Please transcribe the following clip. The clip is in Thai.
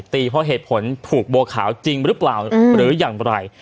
เพราะเหตุผลถูกบัวขาวจริงหรือเปล่าหรืออย่างไร